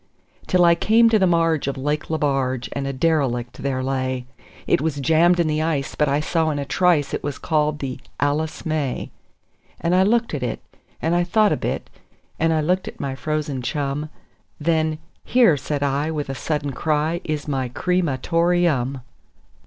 Till I came to the marge of Lake Lebarge, and a derelict there lay; It was jammed in the ice, but I saw in a trice it was called the "Alice May". And I looked at it, and I thought a bit, and I looked at my frozen chum; Then "Here", said I, with a sudden cry, "is my cre ma tor eum."